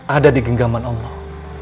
ada di genggaman allah